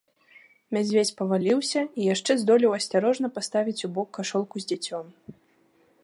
Мядзведзь паваліўся і яшчэ здолеў асцярожна паставіць убок кашолку з дзіцем.